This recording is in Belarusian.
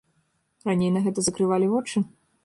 Раней на гэта закрывалі вочы?